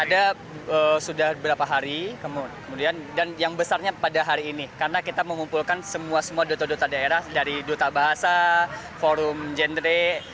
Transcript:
ada sudah beberapa hari kemudian dan yang besarnya pada hari ini karena kita mengumpulkan semua semua duta duta daerah dari duta bahasa forum gendre